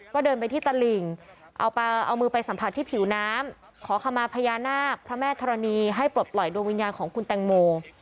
ก็เดินไปที่ตลิ่งเอามือไปสัมผัสที่ผิวน้ำขอขมาพญานาคพระแม่ธรณีให้ปลดปล่อยดวงวิญญาณของคุณแตงโม